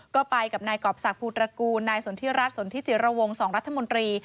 ก็ไปกับนายกรอบศักดิภูตระกูลนายสนทิรัฐสนทิจิระวง๒รัฐมนตรี